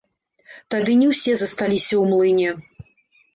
Тады не ўсе засталіся ў млыне.